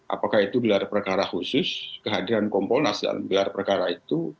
apakah itu gelar perkara khusus kehadiran kompolnas dalam gelar perkara itu